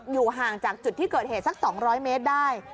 อยู่ห่างจากจุดที่เกิดเหตุสัก๒๐๐เมตรได้